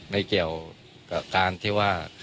ไม่เกี่ยวกับการที่ว่า